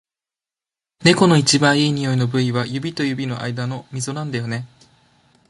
猫の一番いい匂いの部位は、指と指の間のみぞなんだよね。